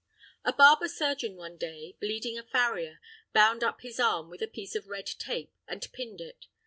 A barber surgeon one day, bleeding a farrier, bound up his arm with a piece of red tape, and pinned it.